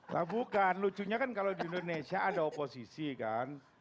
nah bukan lucunya kan kalau di indonesia ada oposisi kan